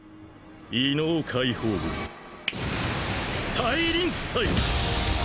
異能解放軍再臨祭！